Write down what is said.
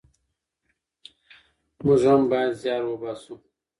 موږ هم بايد زيار وباسو.